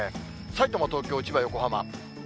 さいたま、東京、千葉、横浜。